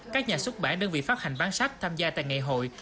các nhà xuất bản đơn vị phát hành bán sách tham gia tại ngày hội